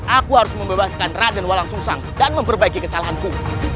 aku harus membebaskan raden walang susang dan memperbaiki kesalahanku